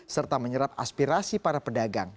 serta menyerap aspirasi para pedagang